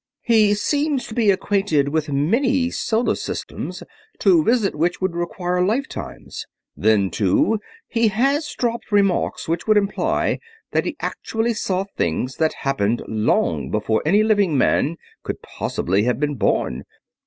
He seems to be acquainted with many solar systems, to visit which would require lifetimes. Then, too, he has dropped remarks which would imply that he actually saw things that happened long before any living man could possibly have been born.